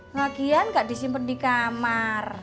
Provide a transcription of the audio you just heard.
lagian gak disimpen di kamar